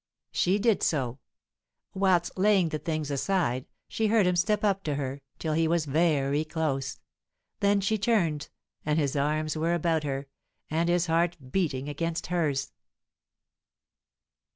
She did so. Whilst laying the things aside, she heard him step up to her, till he was very close. Then she turned, and his arms were about her, and his heart beating against hers.